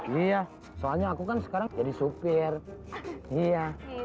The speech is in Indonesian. iya soalnya aku kan sekarang jadi supir iya